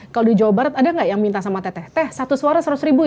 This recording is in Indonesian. kalau di jawa barat ada nggak yang minta sama teteh teh satu suara seratus ribu